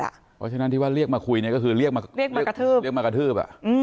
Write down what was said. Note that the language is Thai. เพราะฉะนั้นที่ว่าเรียกมาคุยก็คือเรียกมากระทืบ